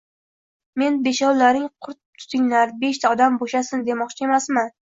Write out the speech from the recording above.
Men, beshovlaring qurt tutinglar, beshta odam boʻshasin, demoqchi emasman